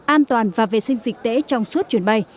an toàn và vệ sinh dịch tễ trong suốt chuyến bay